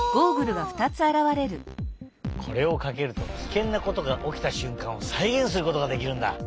これをかけるとキケンなことがおきたしゅんかんをさいげんすることができるんだ！